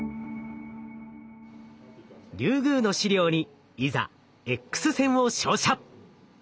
リュウグウの試料にいざＸ線を照射！